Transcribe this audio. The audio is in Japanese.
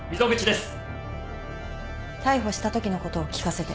逮捕したときのことを聞かせて。